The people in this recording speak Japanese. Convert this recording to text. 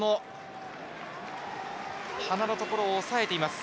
鼻のところを押さえています。